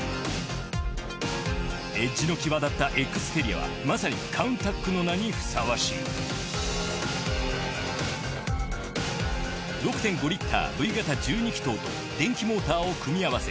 エッジの際立ったエクステリアはまさにカウンタックの名にふさわしい６．５リッターＶ型１２気筒と電気モーターを組み合わせ